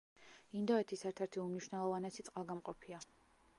ინდოეთის ერთ-ერთი უმნიშვნელოვანესი წყალგამყოფია.